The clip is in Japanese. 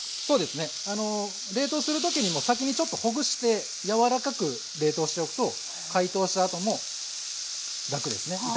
そうですね冷凍する時にも先にちょっとほぐして柔らかく冷凍しておくと解凍したあとも楽ですね